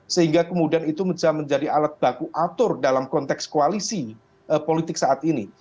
sehingga kemudian itu menjadi alat baku atur dalam konteks koalisi politik saat ini